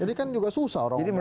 jadi kan juga susah orang ngomong